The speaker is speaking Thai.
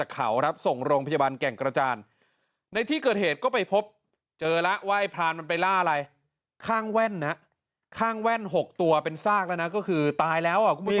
ข้างแว่น๖ตัวเป็นซากแล้วนะก็คือตายแล้วคุณผู้ชม